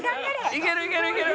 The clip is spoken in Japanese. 「いけるいけるいける」